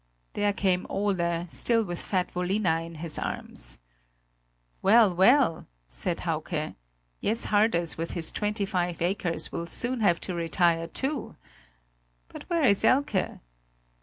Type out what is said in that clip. There came Ole, still with fat Vollina in his arms! "Well, well," said Hauke; "Jess Harders with his twenty five acres will soon have to retire too! But where is Elke?"